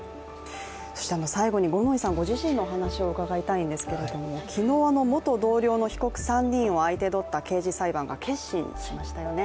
最後に五ノ井さんご自身の話を伺いたいんですが昨日、元同僚の被告３人を相手取った刑事裁判が結審しましたよね。